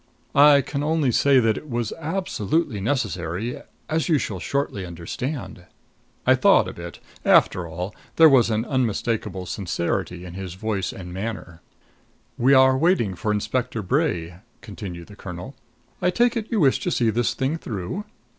"I can only say that it was absolutely necessary as you shall shortly understand." I thawed a bit. After all, there was an unmistakable sincerity in his voice and manner. "We are waiting for Inspector Bray," continued the colonel. "I take it you wish to see this thing through?"